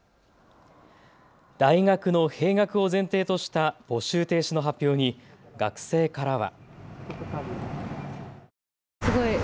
大学の閉学を前提とした募集停止の発表に学生からは。